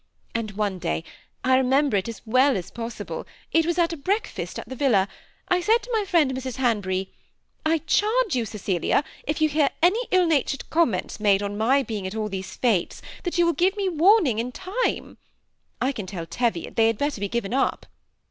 And one day, (I remember it as well as possible, it was at a breakfast at the Villa,) I said to my friend Mrs. Hanbury, < I charge you, Cecilia, if you hear any ill natured comments made on my being at all these filtes, that you will give me warning in time. I can tell Teviot they had better be given up.'